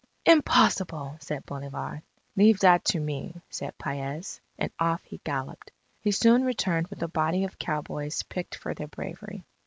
"Impossible!" said Bolivar. "Leave that to me," said Paez, and off he galloped. He soon returned with a body of cowboys picked for their bravery.